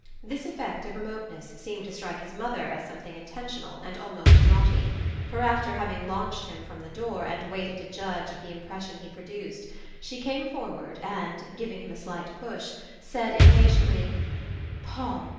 This effect of remoteness seemed to strike his mother as something intentional, and almost naughty, for after having launched him from the door, and waited to judge of the impression he produced, she came forward and, giving him a slight push, said impatiently: "Paul!